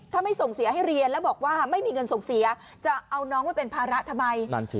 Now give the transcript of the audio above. ถ้าไม่ส่งเสียให้เรียนแล้วบอกว่าไม่มีเงินส่งเสียจะเอาน้องไว้เป็นภาระทำไม